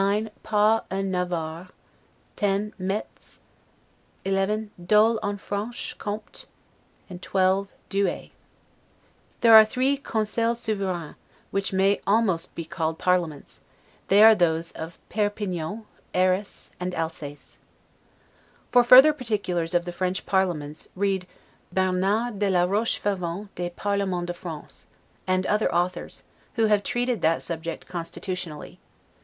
Pau en Navarre 10. Metz 11. Dole en Franche Comte 12. Douay There are three 'Conseils Souverains', which may almost be called parliaments; they are those of: Perpignan Arras Alsace For further particulars of the French parliaments, read 'Bernard de la Rochefavin des Parlemens de France', and other authors, who have treated that subject constitutionally.